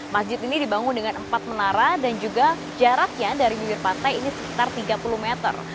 masjid ini dibangun dengan empat menara dan juga jaraknya dari bibir pantai ini sekitar tiga puluh meter